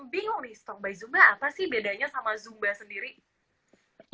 bingung nih strong by sumba apa sih bedanya sama sumba sendiri